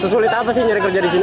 sesulit apa sih nyari kerja di sini